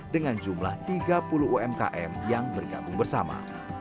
dengan jumlah tiga puluh umkm yang bergabung bersama